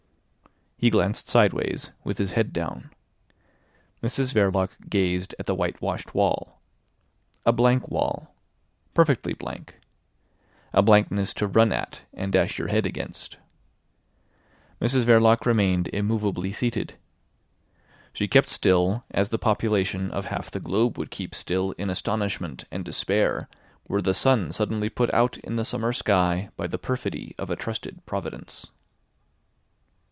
He glanced sideways, with his head down. Mrs Verloc gazed at the whitewashed wall. A blank wall—perfectly blank. A blankness to run at and dash your head against. Mrs Verloc remained immovably seated. She kept still as the population of half the globe would keep still in astonishment and despair, were the sun suddenly put out in the summer sky by the perfidy of a trusted providence.